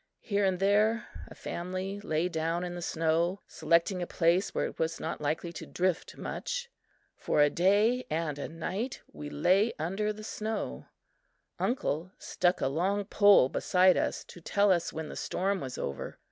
Here and there, a family lay down in the snow, selecting a place where it was not likely to drift much. For a day and a night we lay under the snow. Uncle stuck a long pole beside us to tell us when the storm was over.